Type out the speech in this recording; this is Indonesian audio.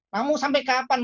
namun sampai kapan mandek